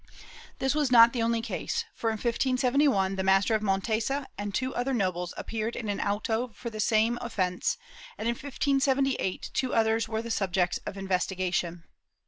This was not the only case for, in 1571 the Master of Montesa and two other nobles appeared in an auto for the same offence and, in 1578, two others were the subjects of investigation.